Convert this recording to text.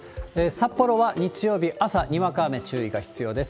札幌は日曜日、朝にわか雨注意が必要です。